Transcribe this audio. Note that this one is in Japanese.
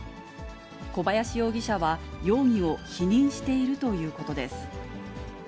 小林容疑者は容疑を否認しているということです。